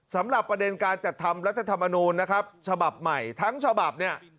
สำหรับประเด็นการจัดทำรัฐธรรมนูลนะครับฉบับใหม่ทั้งฉบับเนี่ย